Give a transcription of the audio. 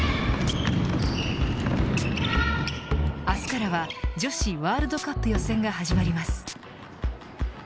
明日からは女子ワールドカップ予選が始まります。